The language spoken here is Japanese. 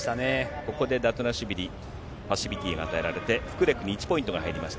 ここでダトゥナシュビリ、パッシビティが与えられて、フクレクに１ポイントが入りました。